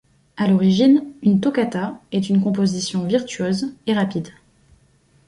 À l'origine, une toccata est une composition, virtuose et rapide.